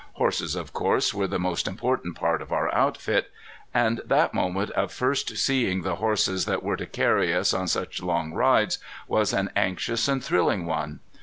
Horses, of course, were the most important part of our outfit. And that moment of first seeing the horses that were to carry us on such long rides was an anxious and thrilling one.